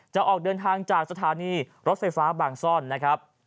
จะออกเดินทางจากสถานีรถไฟฟ้าบางซ่อนนะครับ